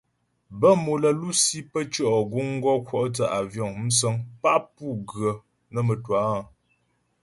Bə́ mò lə́ lusi pə́ tʉɔ' guŋ gɔ kwɔ' thə́ àvyɔ̌ŋ (musə̀ŋ) pá pu gə nə́ mə́twâ áa.